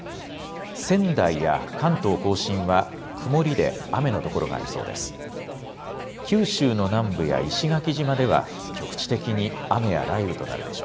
仙台や関東甲信は曇りで雨の所がありそうです。